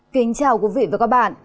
kính chào quý vị và các bạn